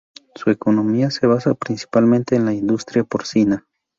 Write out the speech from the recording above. Su economía se basa principalmente en la industria porcina.